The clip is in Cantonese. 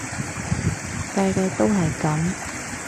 屆屆都係噉